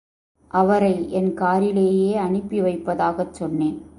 அவரை என் காரிலேயே அனுப்பி வைப்பதாகச் சொன்னேன்.